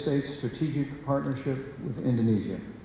partai strategik amerika dengan indonesia